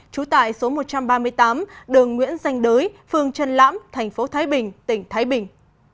trú tại số một trăm ba mươi tám đường nguyễn danh đới phường trần lãm thành phố thái bình tỉnh thái bình